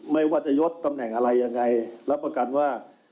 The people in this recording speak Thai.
ไม่ว่าจะยดตำแหน่งอะไรยังไงรับประกันว่า